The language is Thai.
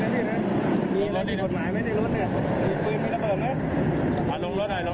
มันถ่ายหลัง